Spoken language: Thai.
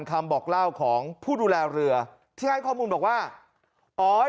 คำบอกเล่าของผู้ดูแลเรือที่ให้ข้อมูลบอกว่าอ๋อ